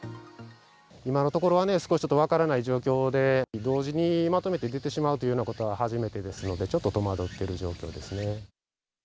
今のところは、少し分からない状況で、同時にまとめて出てしまうというようなことは初めてですので、ちょっと戸惑ってる状況ですね。